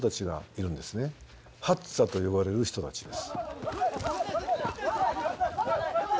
ハッザと呼ばれる人たちです。